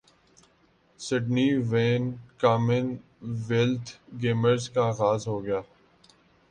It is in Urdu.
سڈنی ویں کامن ویلتھ گیمز کا اغاز ہو گیا